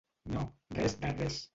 No, res de res.